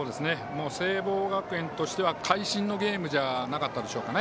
聖望学園としては会心のゲームじゃなかったでしょうか。